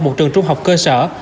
một trường trung học cơ sở